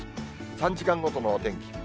３時間ごとのお天気。